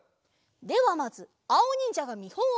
ではまずあおにんじゃがみほんをみせよう。